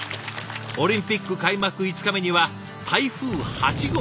オリンピック開幕５日目には台風８号が接近。